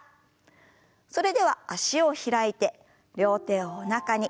それでは脚を開いて両手をおなかに。